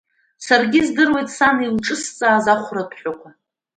Саргьы издыруеит сан илҿысҵааз ахәраҭәҳәақәа.